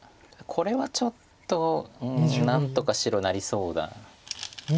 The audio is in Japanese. これはちょっと何とか白なりそうな。